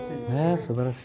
すばらしい。